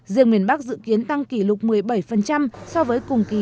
riêng miền bắc dự kiến tăng kỷ lục một mươi bảy so với cùng kỳ